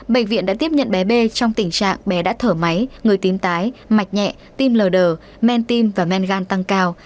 bệnh viện đã tiếp nhận bé b trong tình trạng bé đã thở máy người tím tái mạch nhẹ tim lờ đờ men tim và men gan tăng cao